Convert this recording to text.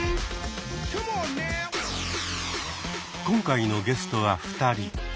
今回のゲストは２人。